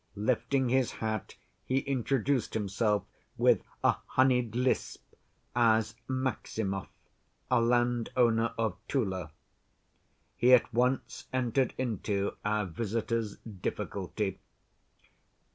Lifting his hat, he introduced himself with a honeyed lisp as Maximov, a landowner of Tula. He at once entered into our visitors' difficulty.